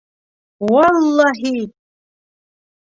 Валлаһи!..